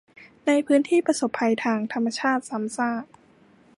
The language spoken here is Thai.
ในพื้นที่ประสบภัยทางธรรมชาติซ้ำซาก